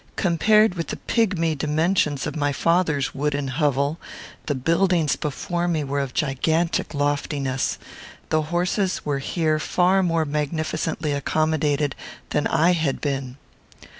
Compared with the pigmy dimensions of my father's wooden hovel, the buildings before me were of gigantic loftiness. The horses were here far more magnificently accommodated than I had been.